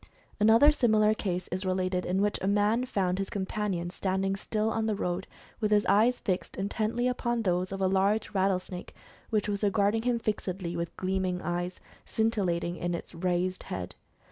Another similar case is related, in which a man found his companion standing still on the road, with his eyes fixed intently upon those of a large rattlesnake which was regarding "him fixedly with gleaming eyes, scin tillating in its raised head.